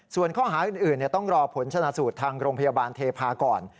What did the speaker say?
ส่วนข้อหาอื่นต้องรอผลชนะสูตรทางโรงพยาบาลเทพาก่อน